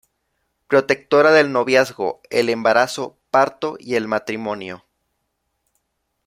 Protectora del noviazgo, el embarazo, parto y el matrimonio.